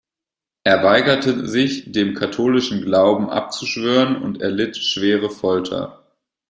Er weigerte sich, dem katholischen Glauben abzuschwören und erlitt schwere Folter.